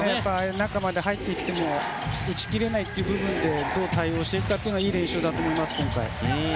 中まで入ってきても打ち切れないという部分でどう対応していくかいい練習だと思います、今回。